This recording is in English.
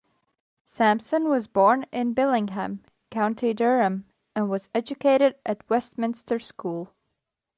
Sampson was born in Billingham, County Durham, and was educated at Westminster School.